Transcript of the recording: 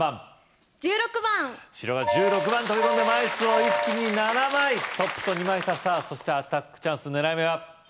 １６番白が１６番に飛び込んで枚数を一気に７枚トップと２枚差さぁそしてアタックチャンス狙い目は？